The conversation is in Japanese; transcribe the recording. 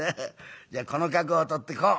じゃあこの角を取ってこう」。